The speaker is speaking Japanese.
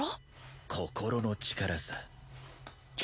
心の力さ。